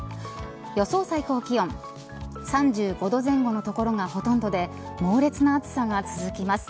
予想最高気温３５度前後の所がほとんどで猛烈な暑さが続きます。